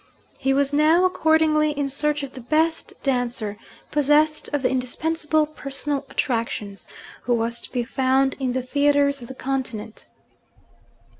He was now, accordingly, in search of the best dancer (possessed of the indispensable personal attractions) who was to be found in the theatres of the Continent.